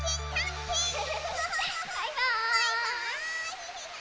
バイバーイ！